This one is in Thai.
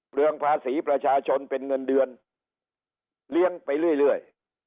เรืองภาษีประชาชนเป็นเงินเดือนเลี้ยงไปเรื่อย